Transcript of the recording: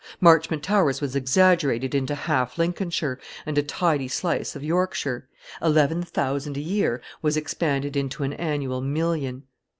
Marchmont Towers was exaggerated into half Lincolnshire, and a tidy slice of Yorkshire; eleven thousand a year was expanded into an annual million.